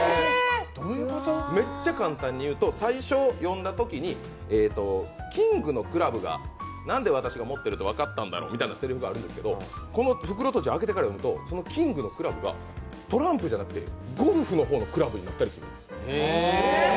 めっちゃ簡単に言うと、最初読んだときにキングのクラブが何で私が持ってると分かったんだろうっていう台詞があるんですけどこの袋とじを開けてから読むとキングのクラブがトランプじゃなくてゴルフの方のクラブになったりするんです。